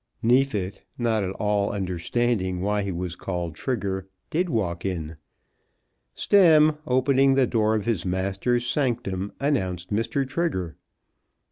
Neefit, not at all understanding why he was called Trigger, did walk in. Stemm, opening the door of his master's sanctum, announced Mr. Trigger.